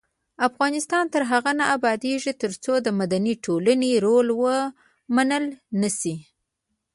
افغانستان تر هغو نه ابادیږي، ترڅو د مدني ټولنې رول ومنل نشي.